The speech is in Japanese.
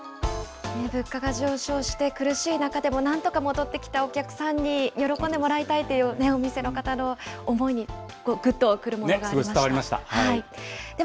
値上げの師走に立ち向かう築地の物価が上昇して苦しい中でも、なんとか戻ってきたお客さんに喜んでもらいたいというお店の方の思いに、ぐっとくるものがありました。